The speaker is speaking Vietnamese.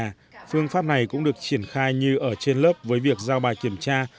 và phương pháp này cũng được triển khai như ở trên lớp với việc giao bài kiểm tra